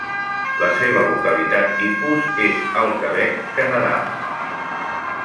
La seva localitat tipus és al Quebec, Canadà.